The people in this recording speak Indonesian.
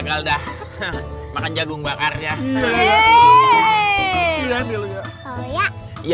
kalau dah makan jagung bakarnya